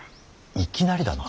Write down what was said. いきなりだな。